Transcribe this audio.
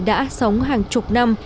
đã sống hàng chục năm